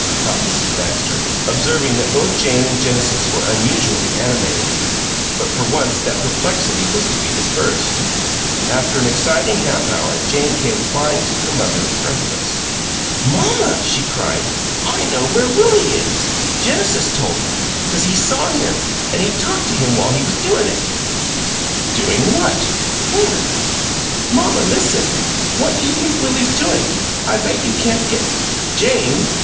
thought Mrs. Baxter, observing that both Jane and Genesis were unusually animated. But for once that perplexity was to be dispersed. After an exciting half hour Jane came flying to her mother, breathless. "Mamma," she cried, "I know where Willie is! Genesis told me, 'cause he saw him, an' he talked to him while he was doin' it." "Doing what? Where?" "Mamma, listen! What you think Willie's doin'? I bet you can't g " "Jane!"